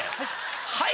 はい？